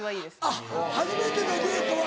あっ初めてのデートは。